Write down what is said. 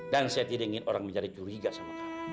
dan saya tidak ingin orang mencari curiga sama kamu